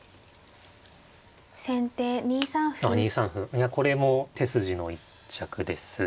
いやこれも手筋の一着です。